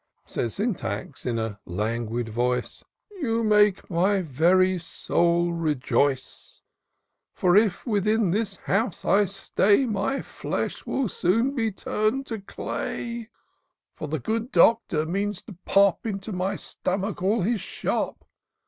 Says Syntax, in a languid voice, " You make my very soul rejoice ; 104 TOUR OF DOCTOR SYNTAX F^r, if within this house I stay. My flesh will soon be tum'd to clay ; For the good Doctor means to pop Into my stomach all his shop.